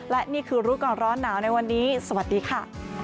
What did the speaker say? และนี่คือรู้ก่อนร้อนหนาวในวันนี้สวัสดีค่ะ